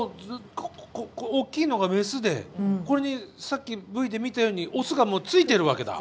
おっきいのがメスでこれにさっきＶで見たようにオスがもうついているわけだ。